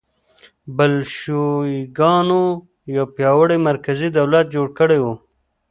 بلشویکانو یو پیاوړی مرکزي دولت جوړ کړی و